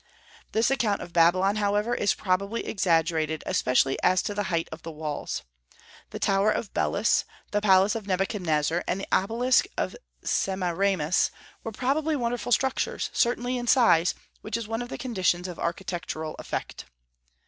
This account of Babylon, however, is probably exaggerated, especially as to the height of the walls. The tower of Belus, the Palace of Nebuchadnezzar, and the Obelisk of Semiramis were probably wonderful structures, certainly in size, which is one of the conditions of architectural effect.